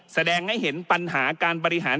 แสดงให้เห็นปัญหาการบริหาร